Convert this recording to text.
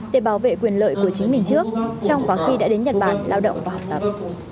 để bảo vệ quyền lợi của chính mình trước trong quá khi đã đến nhật bản lao động và học tập